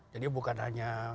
jadi bukan hanya